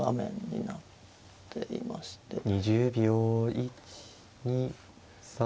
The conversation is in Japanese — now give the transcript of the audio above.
１２３４。